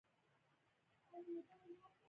مړه ته د اخلاص یاد وساته